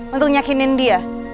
untuk nyakinin dia